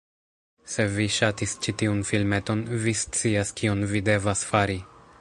Se vi ŝatis ĉi tiun filmeton, vi scias kion vi devas fari: